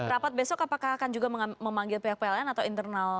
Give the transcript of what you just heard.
rapat besok apakah akan juga memanggil pihak pln atau internal